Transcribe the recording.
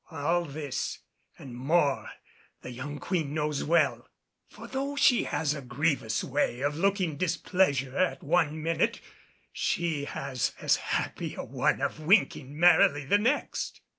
All this and more the young Queen knows well. For though she has a grievous way of looking displeasure at one minute, she has as happy a one of winking merrily the next.